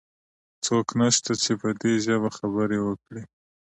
څوک نشته چې په دي ژبه خبرې وکړي؟